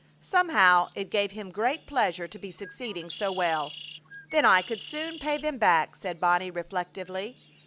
Somehow it gave him great pleasure to be succeeding so well. "Then I could soon pay them back," said Bonnie, reflectively.